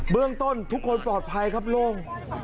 เรื่องต้นทุกคนปลอดภัยครับโล่ง